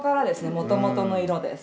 もともとの色です。